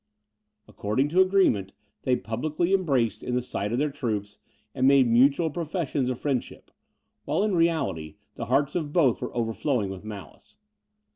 According to agreement, they publicly embraced in the sight of their troops, and made mutual professions of friendship, while in reality the hearts of both were overflowing with malice.